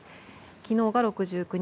昨日が６９人。